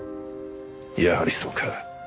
やはりそうか。